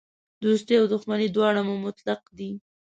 دوستي او دښمني دواړه مو مطلق دي.